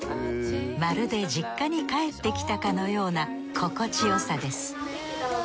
まるで実家に帰ってきたかのような心地よさです。